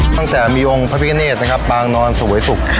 ตั้งแต่มีองค์พระพิคเนตปางนอนสวยสุข